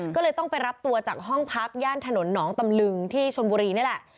ก็เลยต้องไปรับตัวจากห้องพักย่านถนนหนองตำลึงที่ชนบุรีนี่แหละ